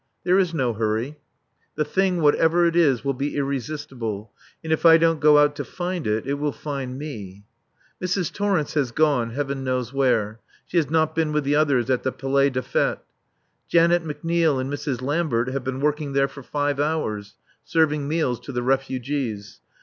There is no hurry. The thing, whatever it is, will be irresistible, and if I don't go out to find it, it will find me. Mrs. Torrence has gone, Heaven knows where. She has not been with the others at the Palais des Fêtes. Janet McNeil and Mrs. Lambert have been working there for five hours, serving meals to the refugees.